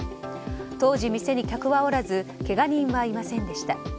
当時、店に客はおらずけが人はいませんでした。